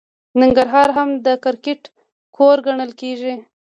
ننګرهار هم د کرکټ کور ګڼل کیږي.